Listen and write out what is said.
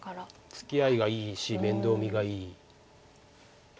つきあいがいいし面倒見がいい。